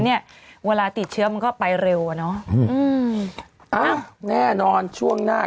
เนี้ยเวลาติดเชื้อมันก็ไปเร็วอ่ะเนอะอืมอ้าวแน่นอนช่วงหน้า